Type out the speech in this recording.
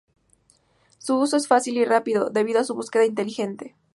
Su uso es fácil y rápido, debido a su búsqueda inteligente.